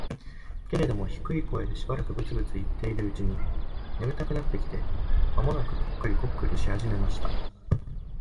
けれども、低い声でしばらくブツブツ言っているうちに、眠たくなってきて、間もなくコックリコックリし始めました。